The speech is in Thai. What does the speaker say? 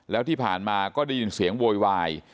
แล้วที่ผ่านมาก็ได้ยินเสียงโวยวาย